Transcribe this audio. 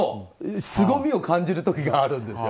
凄みを感じる時があるんですよ。